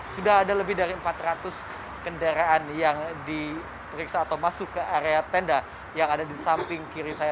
sudah ada lebih dari empat ratus kendaraan yang diperiksa atau masuk ke area tenda yang ada di samping kiri saya